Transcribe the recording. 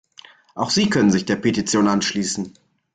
Auch Sie können sich der Petition anschließen.